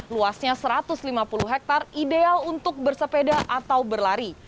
luasnya satu ratus lima puluh hektare ideal untuk bersepeda atau berlari